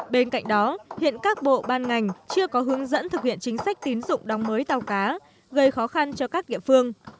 bên cạnh đó hiện các bộ ban ngành chưa có hướng dẫn thực hiện chính sách tín dụng đóng mới tàu cá gây khó khăn cho các địa phương